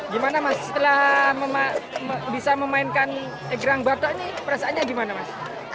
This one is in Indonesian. gimana mas setelah bisa memainkan egrang batak ini perasaannya gimana mas